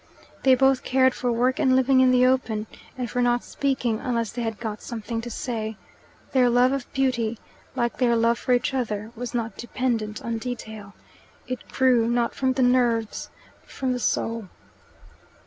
They both cared for work and living in the open, and for not speaking unless they had got something to say. Their love of beauty, like their love for each other, was not dependent on detail: it grew not from the nerves but from the soul.